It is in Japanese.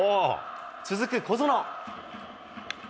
続く小園。